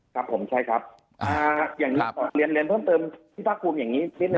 ครับผมใช่ครับอย่างนี้เรียนเรียนเพิ่มเติมพี่ภาคภูมิอย่างนี้นิดหนึ่ง